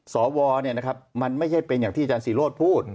สวมันไม่ใช่เป็นอย่างที่อาจารย์ศิโรธพูด